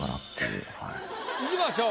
いきましょう。